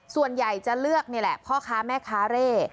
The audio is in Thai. ส่วนใหญ่จะเลือกนี่แหละพ่อค้าแม่ค้าเร่